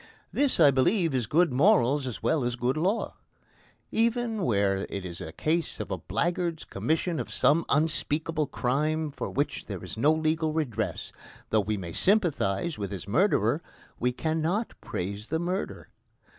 This, I believe, is good morals as well as good law. Even where it is a case of a blackguard's commission of some unspeakable crime for which there is no legal redress, though we may sympathise with his murderer, we cannot praise the murder.